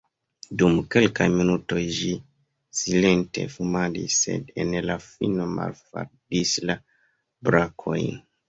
Dum kelkaj minutoj ĝi silente fumadis, sed en la fino malfaldis la brakojn.